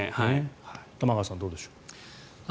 玉川さん、どうでしょう。